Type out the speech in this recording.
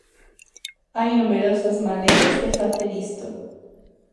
Hai numerosas maneiras de facer isto.